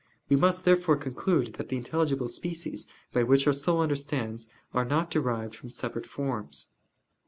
We must therefore conclude that the intelligible species, by which our soul understands, are not derived from separate forms.